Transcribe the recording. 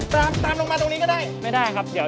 เจ้าแม่ก็ได้